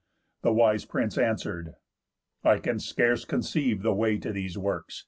The wise prince answer'd: "I can scarce conceive The way to these works.